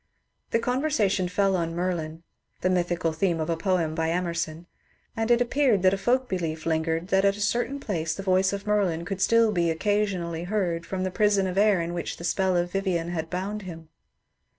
The conversation fell on Merlin (the mythical theme of a poem by Emerson), and it appeared that a folk belief lingered that at a certain place the voice of Merlin could still be occasionally heard from the prison of air in which the spell of Vivien had bound him.